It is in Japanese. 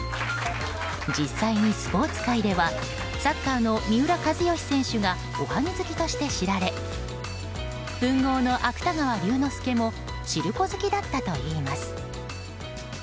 実際にスポーツ界ではサッカーの三浦知良選手がおはぎ好きとして知られ文豪の芥川龍之介もしるこ好きだったといいます。